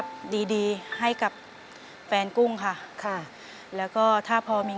เปลี่ยนเพลงเก่งของคุณและข้ามผิดได้๑คำ